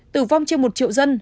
tử vong trên một triệu dân